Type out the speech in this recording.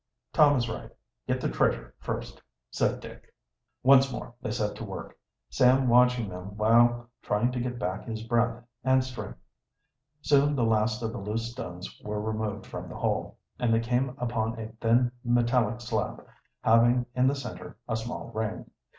"Tom is right get the treasure first," said Dick. Once more they set to work, Sam watching them while trying to get back his breath and strength. Soon the last of the loose stones were removed from the hole, and they came upon a thin metallic slab having in the center a small ring.